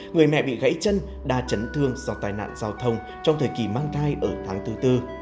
người mẹ bị gãy chân đa chấn thương do tai nạn giao thông trong thời kỳ mang thai ở tháng thứ tư